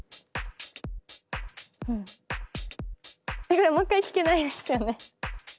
これもう一回聞けないですよね？